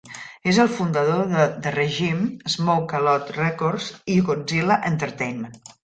És el fundador de The Regime, Smoke-A-Lot Records i Godzilla Entertainment.